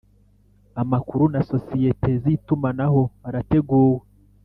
amakuru na sosiyete zitumanaho arateguwe